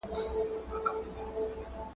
پوهانو خپل نظریات په ازاده توګه شریکول.